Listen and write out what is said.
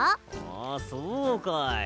あそうかい。